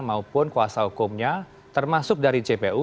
maupun kuasa hukumnya termasuk dari jpu